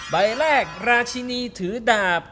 ใบแรกราชินีถือดาบ